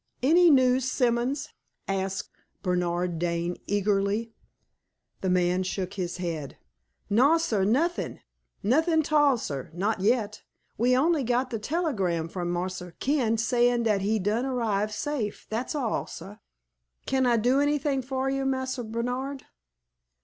"Any news, Simons?" asked Bernard Dane, eagerly. The man shook his head. "No, sah; nothing nothing 'tall, sah not yet. We only got de tellygram from Marse Ken sayin' dat he done arrive safe dat's all, sah. Kin I do anything for you, Marse Bernard?"